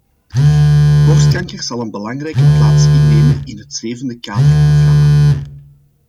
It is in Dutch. Borstkanker zal een belangrijke plaats innemen in het zevende kaderprogramma.